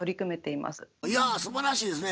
いやすばらしいですね。